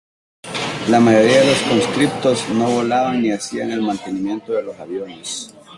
La mayoría de los conscriptos no volaban ni hacían el mantenimiento de los aviones.